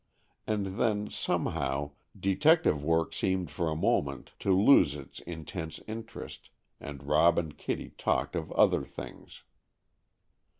And then, somehow, detective work seemed for a moment to lose its intense interest, and Rob and Kitty talked of other things.